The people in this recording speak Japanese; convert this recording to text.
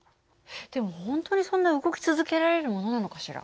でも本当にそんな動き続けられるものなのかしら。